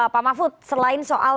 pak mahfud selain soal